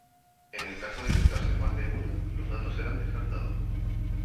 En el caso de detectarse más de una, los datos serán descartados.